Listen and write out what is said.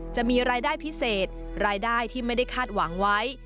จะมีรายได้พิเศษรายได้ที่ไม่ได้คาดหวังไว้